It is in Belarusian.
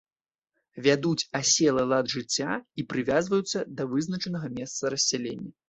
Вядуць аселы лад жыцця і прывязваюцца да вызначанага месца рассялення.